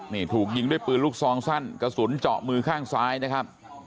นี่ถูกยิงด้วยปืนลูกซองสั้นกระสุนเจาะมือข้างซ้ายนะครับ